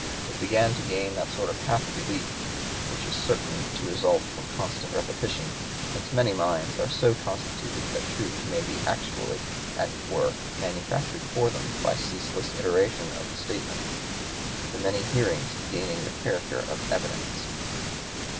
It began to gain that sort of half belief which is certain to result from constant repetition; since many minds are so constituted that truth may be actually, as it were, manufactured for them by ceaseless iteration of statement, the many hearings gaining the character of evidence.